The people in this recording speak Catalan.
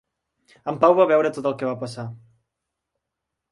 En Pau va veure tot el que va passar.